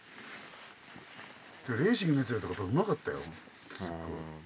レーシングのヤツらとかうまかったよ。